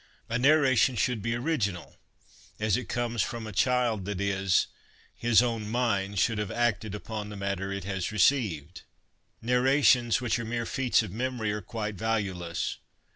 A narration should be original as it comes from a child that is, his own mind should have acted upon the matter it has received. Narra tions which are mere feats of memory are quite valueless.